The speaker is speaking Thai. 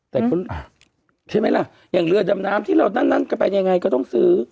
แต่ก็ใช่ไหมล่ะอย่างเรือดำน้ำที่เรานั่งกันไปยังไงก็ต้องซื้อ